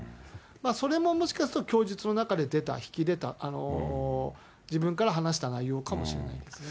それももしかすると、供述の中で出た、引き出た、自分から話した内容かもしれないですね。